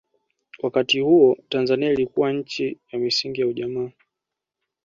wakati huo tanzania ilikuwa chini ya misingi ya ujamaa